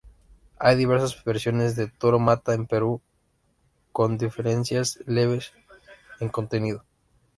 Hay diversas versiones de Toro Mata en Perú, con diferencias leves en contenido.